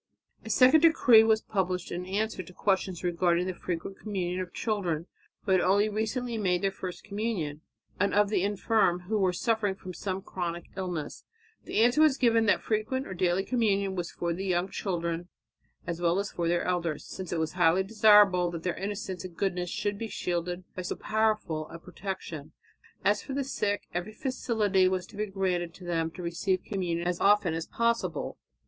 A second decree was published in answer to questions regarding the frequent communion of children who had only recently made their first communion, and of the infirm who were suffering from some chronic illness. The answer given was that frequent or daily communion was for young children as well as for their elders, since it was highly desirable that their innocence and goodness should be shielded by so powerful a protection. As for the sick, every facility was to be granted them to receive communion as often as possible.